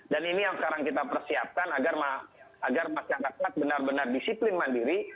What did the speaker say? dan ini yang sekarang kita persiapkan agar masyarakat benar benar disiplin mandiri